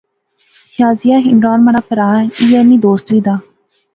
شازیہ عمران مہاڑا پرہا ایہہ نی دوست وی دا